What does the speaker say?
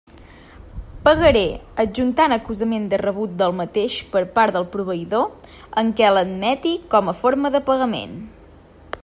Pagaré, adjuntant acusament de rebut del mateix per part del proveïdor en què l'admeti com a forma de pagament.